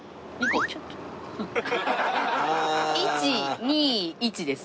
１２１です。